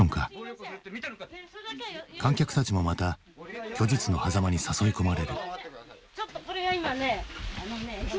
観客たちもまた虚実のはざまに誘い込まれる。